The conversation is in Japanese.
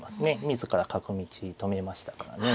自ら角道止めましたからね。